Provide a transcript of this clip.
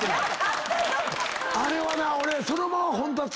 あれはな俺。